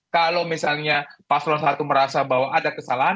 kalau misalnya paslon satu merasa bahwa ada kesalahan